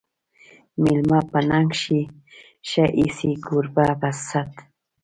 مېلمه په ننګ ښه ایسي، کوربه په صت